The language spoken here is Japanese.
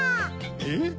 えっ？